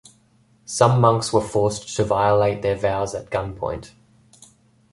Some monks were forced to violate their vows at gunpoint.